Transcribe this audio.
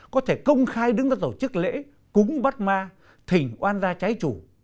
có thể công khai đứng ra tổ chức lễ cúng bắt ma thỉnh oan gia trái chủ